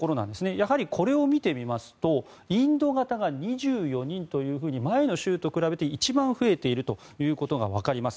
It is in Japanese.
やはりこれを見てみますとインド型が２４人というふうに前の週と比べて一番増えているということがわかります。